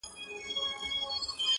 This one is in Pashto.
o ځي له وطنه خو په هر قدم و شاته ګوري؛